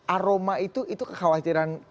aroma itu kekhawatiran